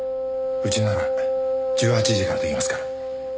うちなら１８時からできますから。